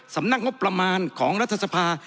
สำนักงบประมาณของรัฐสภา